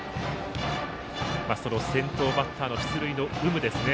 その先頭バッターの出塁の有無ですね。